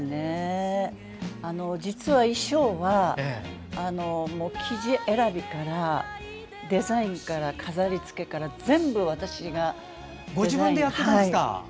実は、衣装は生地選びからデザインから飾り付けから全部私がデザイン。